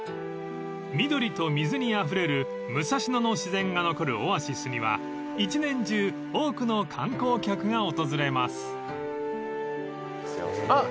［緑と水にあふれる武蔵野の自然が残るオアシスには一年中多くの観光客が訪れます］